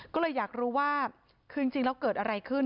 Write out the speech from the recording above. ก็เลยอยากรู้ว่าคือจริงแล้วเกิดอะไรขึ้น